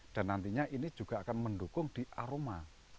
dan nantinya ini juga akan mendukung di aroma